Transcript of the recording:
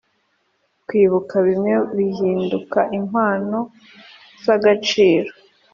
kwibuka bimwe bihinduka impano zagaciro